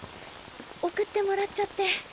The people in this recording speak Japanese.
送ってもらっちゃって。